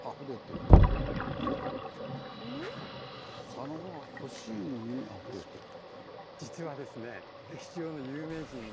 「佐野は“ほしいモノ”にあふれてる⁉」。